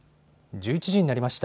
１１時になりました。